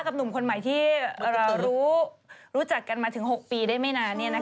หนุ่มคนใหม่ที่เรารู้จักกันมาถึง๖ปีได้ไม่นาน